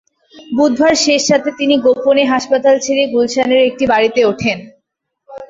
বুধবার শেষ রাতে তিনি গোপনে হাসপাতাল ছেড়ে গুলশানের একটি বাড়িতে ওঠেন।